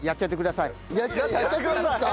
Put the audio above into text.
やっちゃっていいんですか？